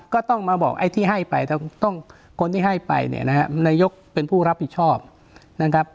ก็ต้องมาบอกไอ้ที่ให้ไปต้องคนที่ให้ไปเนี่ยนะครับนายกเป็นผู้รับผิดชอบนะครับ